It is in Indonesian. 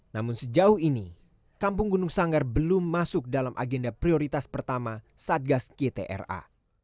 namun sejauh ini kampung gunung sanggar belum masuk dalam agenda prioritas pertama satgas gtra